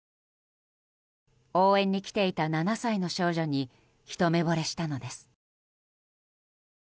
応援に来ていた７歳の少女にひと目ぼれしたのです。